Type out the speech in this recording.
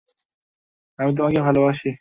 আমিও তোমাকে ভালোবাসি!